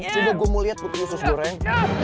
coba gue liat putri yusus goreng